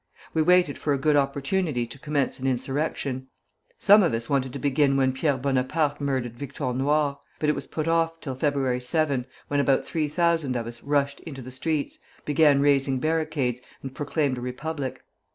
We waited for a good opportunity to commence an insurrection. Some of us wanted to begin when Pierre Bonaparte murdered Victor Noir; but it was put off till February 7, when about three thousand of us rushed into the streets, began raising barricades, and proclaimed a Republic.